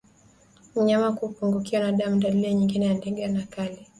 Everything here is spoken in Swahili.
Mnyama kupungukiwa na damu ni dalili nyingine ya ndigana kali